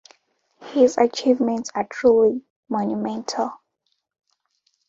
His achievements are truly monumental.